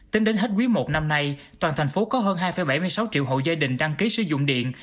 tính đến hết quý i năm nay toàn thành phố có hơn hai bảy mươi sáu triệu hộ gia đình đăng ký sử dụng điện